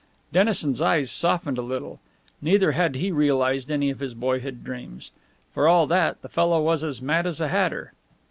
Dennison's eyes softened a little. Neither had he realized any of his boyhood dreams. For all that, the fellow was as mad as a hatter.